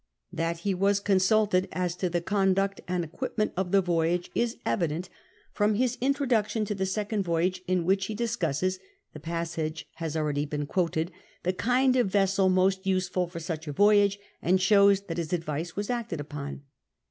That he was consulted as to the conduct and equipment of the expedition is evident from his introduction to the second voyage, in which he discusses — the passage has already been quoted — the kind of vessel most useful for such a voyage, and shows that his advice was acted upon.